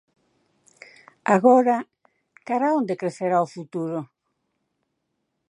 Agora, cara a onde crecerá o futuro?